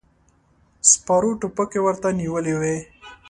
سپرو ټوپکې ورته نيولې وې.